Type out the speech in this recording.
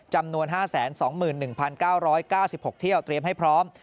จำนวน๕๒๑๙๙๖เที่ยวเตรียมให้พร้อม